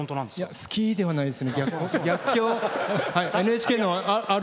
好きではないですね。